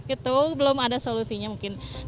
itu belum ada solusinya mungkin